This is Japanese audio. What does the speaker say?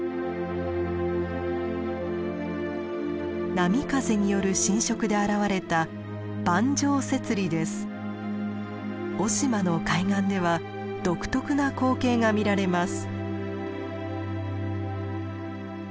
波風による浸食で現れた雄島の海岸では独特な光景が見られます。